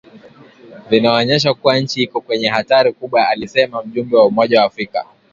vinaonyesha kuwa nchi iko kwenye hatari kubwa alisema mjumbe wa Umoja wa Afrika